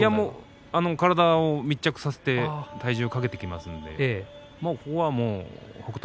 体を密着させて体重をかけてきますのでここは北勝